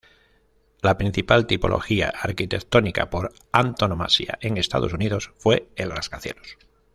La principal tipología arquitectónica por antonomasia en Estados Unidos fue el rascacielos.